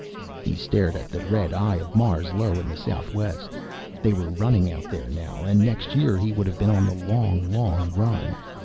He stared at the red eye of Mars low in the southwest. They were running out there now, and next year he would have been on the long long run